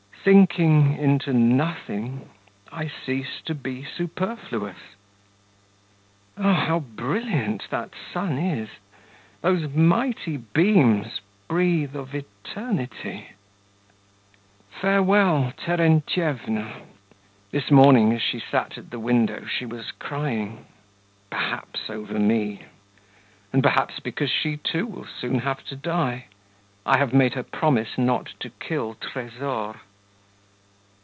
Sinking into nothing, I cease to be superfluous ... Ah, how brilliant that sun is! Those mighty beams breathe of eternity ... Farewell, Terentyevna!... This morning as she sat at the window she was crying ... perhaps over me ... and perhaps because she too will soon have to die. I have made her promise not to kill Tresór.